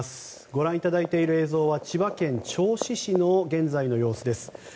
ご覧いただいている映像は千葉県銚子市の現在の様子です。